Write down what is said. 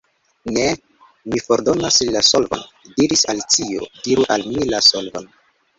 "Ne, mi fordonas la solvon," diris Alicio. "Diru al mi la solvon."